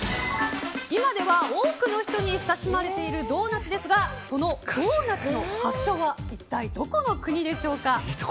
今では多くの人に親しまれているドーナツですがそのドーナツの発祥は一体どこの国でしょうか？